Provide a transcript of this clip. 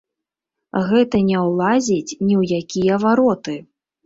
Гэта не ўлазіць ні ў якія вароты.